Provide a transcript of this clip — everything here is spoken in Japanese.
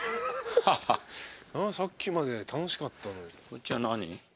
さっきまで楽しかったのに。